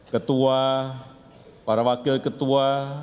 ketua para wakil ketua